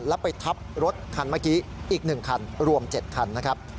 แล้วไปทับรถคันเมื่อกี้อีก๑คันรวม๗คันนะครับ